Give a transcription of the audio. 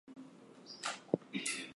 Others are more guarded.